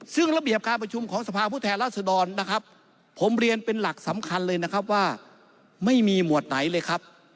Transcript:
ซึ่งระเบียบการประชุมของสภาพุทธแทนราษฎรนะครับผมเรียนเป็นหลักสำคัญเลยนะครับว่าไม่มีหมวดไหนเลยครับ